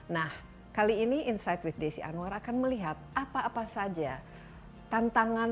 nah kali ini insight with desi anwar akan melihat apa apa saja tantangan